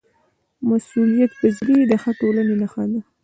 مسؤلیتپذیري د ښه ټولنې نښه ده